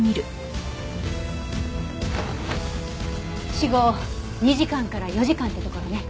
死後２時間から４時間ってところね。